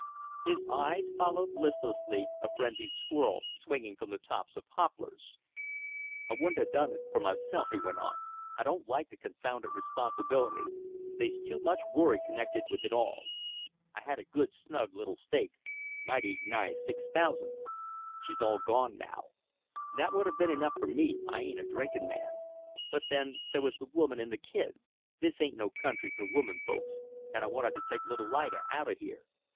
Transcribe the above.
His eye followed listlessly a frenzied squirrel swinging from the tops of poplars. "I wouldn't 'a done it for myself," he went on. "I don't like the confounded responsibility. They's too much worry connected with it all. I had a good snug little stake mighty nigh six thousand. She's all gone now. That'd have been enough for me I ain't a drinkin' man. But then there was the woman and the kid. This ain't no country for woman folks, and I wanted t' take little Lida out o' here.